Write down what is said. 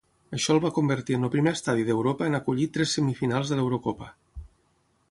Això el va convertir en el primer estadi d'Europa en acollir tres semifinals de l'Eurocopa.